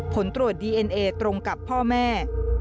ผลตรวจดีเอ็นเอตรงกับพ่อแม่